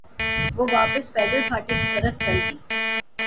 وہ واپس پیدل پھاٹک کی طرف چل دی۔